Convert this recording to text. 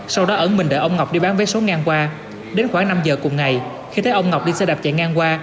sau đó ẩn mình đợi ông ngọc đi bán vé số ngang qua đến khoảng năm giờ cùng ngày khi thấy ông ngọc đi xe đạp chạy ngang qua